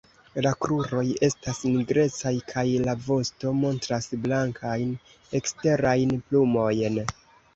La kruroj estas nigrecaj kaj la vosto montras blankajn eksterajn plumojn.